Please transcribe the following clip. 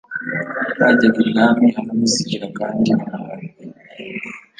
Bajyaga ibwami anamusigira Kandi umugani